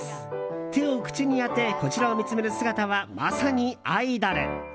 手を口に当て、こちらを見つめる姿はまさにアイドル！